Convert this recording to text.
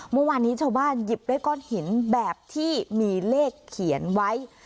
เมื่อวานนี้ชาวบ้านหยิบได้ก้อนหินแบบที่มีเลขเขียนไว้